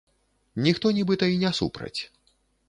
Ніхто нібыта й не супраць.